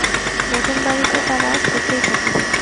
নতুন বাড়িতে তারা সুখেই থাকিবে।